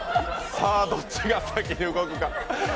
どっちが先に動くか。